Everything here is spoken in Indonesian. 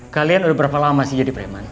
kalian udah berapa lama sih jadi preman